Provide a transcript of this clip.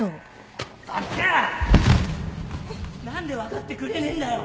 何で分かってくれねえんだよ？